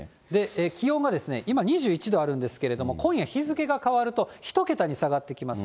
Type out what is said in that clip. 気温が、今２１度あるんですが、今夜日付が変わると１桁に下がってきます。